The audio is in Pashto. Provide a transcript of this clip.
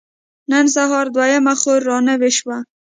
نن سهار دويمه خور را نوې شوه.